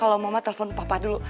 kalau mama telepon papa dulu